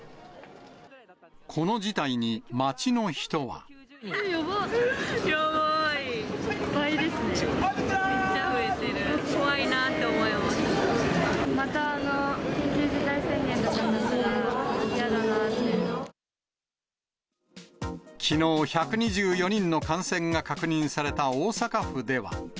また緊急事態宣言とかになっきのう、１２４人の感染が確認された大阪府では。